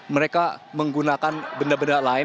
mereka menggunakan benda benda lain